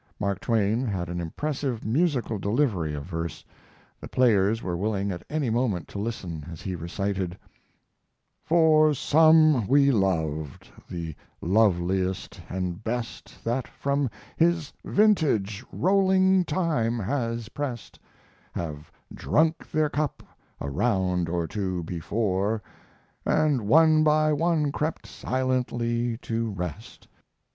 Mark Twain had an impressive, musical delivery of verse; the players were willing at any moment to listen as he recited: For some we loved, the loveliest and best That from his vintage rolling time has prest, Have drunk their cup a round or two before, And one by one crept silently to rest.